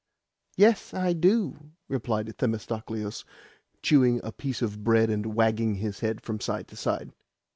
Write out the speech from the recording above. "Yes, I do," replied Themistocleus, chewing a piece of bread and wagging his head from side to side.